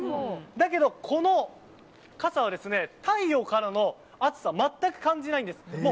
だけど、この傘は太陽からの暑さ全く感じないんです。